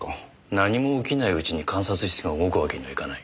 何も起きないうちに監察室が動くわけにはいかない。